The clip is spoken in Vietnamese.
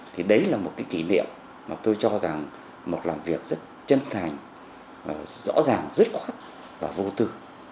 thì đấy là một cái kỷ niệm mà tôi cho rằng một làm việc rất chân thành rõ ràng dứt khoát và vô tư